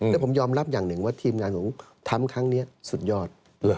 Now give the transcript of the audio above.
และผมยอมรับอย่างหนึ่งว่าทีมงานของทำครั้งนี้สุดยอด